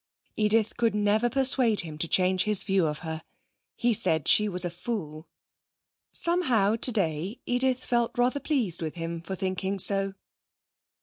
Edith could never persuade him to change his view of her. He said she was a fool. Somehow, today Edith felt rather pleased with him for thinking so.